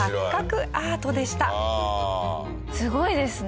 すごいですね。